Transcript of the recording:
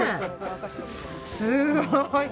すごい。